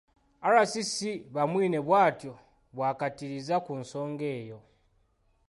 RCC Bamwine bw’atyo bw’akkaatirizza ku nsonga eyo.